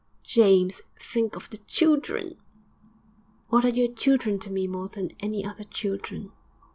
'James, think of the children!' 'What are your children to me more than any other children?'